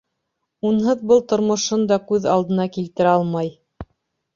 Унһыҙ был тормошон да күҙ алдына килтерә алмай.